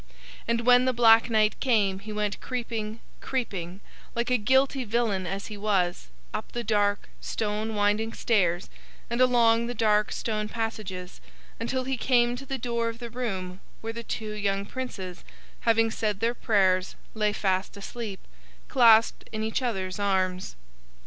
And when the black night came he went creeping, creeping, like a guilty villain as he was, up the dark, stone winding stairs, and along the dark stone passages, until he came to the door of the room where the two young princes, having said their prayers, lay fast asleep, clasped in each other's arms.